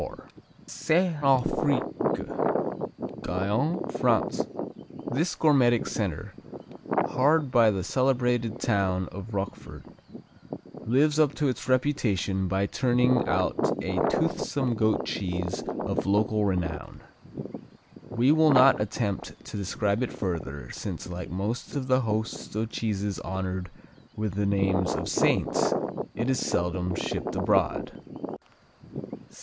Saint Affrique Guyenne, France This gourmetic center, hard by the celebrated town of Roquefort, lives up to its reputation by turning out a toothsome goat cheese of local renown. We will not attempt to describe it further, since like most of the host of cheeses honored with the names of Saints, it is seldom shipped abroad.